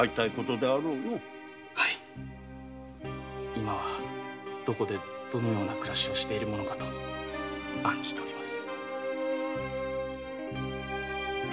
今はどこでどんな暮らしをしているものかと案じています。